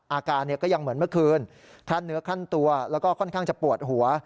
อาการก็ยังเหมือนเมื่อคืนท่านเนื้อขั้นตัวแล้วก็ค่อนข้างจะปวดหัว